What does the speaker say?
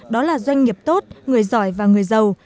đó là doanh nghiệp tốt người giỏi và người giàu